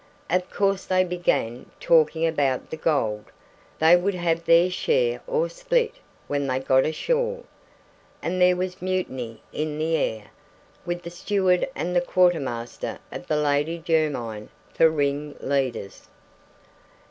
Of course they began talking about the gold; they would have their share or split when they got ashore; and there was mutiny in the air, with the steward and the quarter master of the Lady Jermyn for ring leaders.